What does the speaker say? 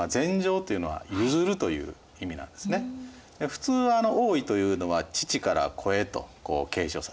普通は王位というのは父から子へと継承される。